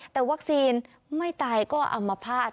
แต่วัคซีนไม่ตายก็อัมพาต